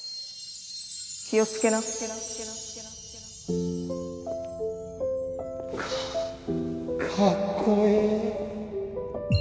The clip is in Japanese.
気をつけな。かかっこいい！